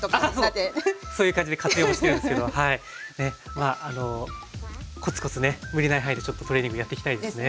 まああのコツコツね無理ない範囲でちょっとトレーニングやっていきたいですね。